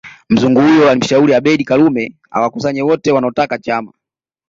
Mzungu huyo alimshauri Abeid Karume awakusanye wote wanaotaka chama